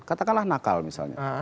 katakanlah nakal misalnya